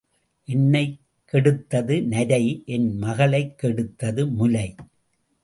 என்னைக் கெடுத்தது நரை, என் மகளைக் கொடுத்து முலை.